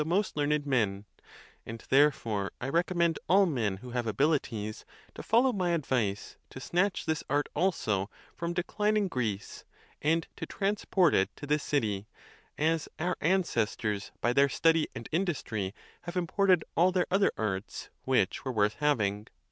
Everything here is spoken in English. most learned men; and therefore I recommend all men who have abilities to follow my advice to snatch this art also from declining Greece, and to transport it to this city; as our ancestors by their study and industry have imported all their other arts which were worth having.